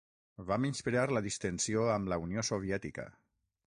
Va menysprear la distensió amb la Unió Soviètica.